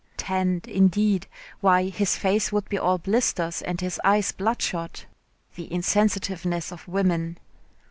Tanned, indeed! Why his face would be all blisters and his eyes bloodshot. The insensitiveness of women!